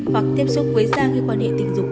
hoặc tiếp xúc với gia người quan hệ tình dục